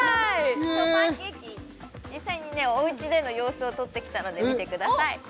パンケーキ実際におうちでの様子を撮ってきたので見てください